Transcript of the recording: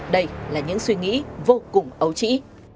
đây là những suy nghĩ vô cùng ấu trĩ